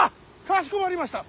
かしこまりました。